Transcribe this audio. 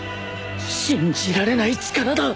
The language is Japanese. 信じられない力だ